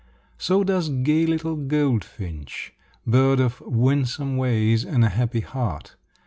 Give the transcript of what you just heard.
So does gay little goldfinch, bird of winsome ways and a happy heart.